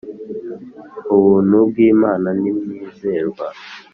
ubuntu bw'imana ni mwizerwa,